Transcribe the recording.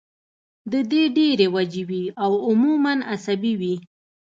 د دې ډېرې وجې وي او عموماً اعصابي وي